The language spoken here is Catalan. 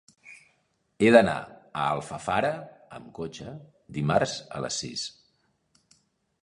He d'anar a Alfafara amb cotxe dimarts a les sis.